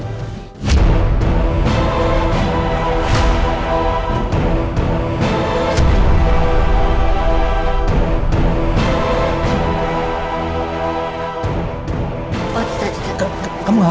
putri sudah benar benar meninggal